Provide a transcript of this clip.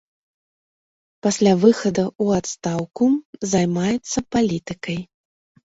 Пасля выхаду ў адстаўку займаецца палітыкай.